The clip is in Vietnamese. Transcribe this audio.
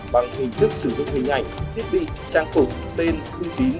bằng hình thức sử dụng hình ảnh thiết bị trang phục tên uy tín